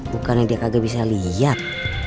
bukannya dia kagak bisa lihat